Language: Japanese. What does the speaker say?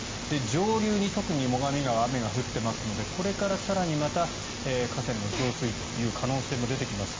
上流に特に最上川は雨が降っていますのでこれから更にまた河川の増水という可能性も出てきます。